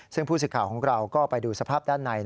ซึ่งผู้สื่อข่าวของเราก็ไปดูสภาพด้านใน